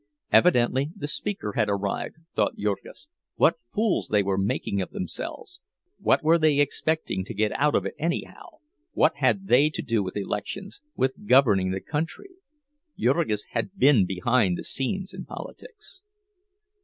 Evidently the speaker had arrived, thought Jurgis; what fools they were making of themselves! What were they expecting to get out of it anyhow—what had they to do with elections, with governing the country? Jurgis had been behind the scenes in politics.